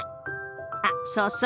あっそうそう。